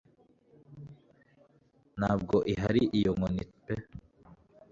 ntabwo ihari iyo nkoni pe